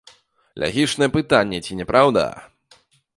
Лагічнае пытанне, ці не праўда?